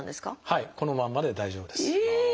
はいこのまんまで大丈夫です。